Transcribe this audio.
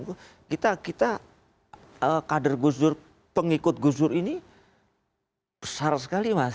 karena kita kader gus dur pengikut gus dur ini besar sekali mas